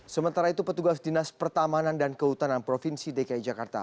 sementara itu petugas dinas pertamanan dan kehutanan provinsi dki jakarta